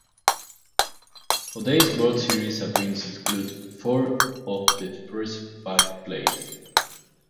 O'Day's World Series appearances include four of the first five played.